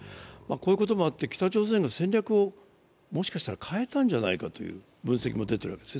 こういうこともあって、北朝鮮が戦略をもしかしたら変えたのではないかという分析も出ているわけです。